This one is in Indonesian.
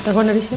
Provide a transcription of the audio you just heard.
oma makan ya